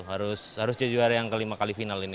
harus jadi juara yang kelima kali final ini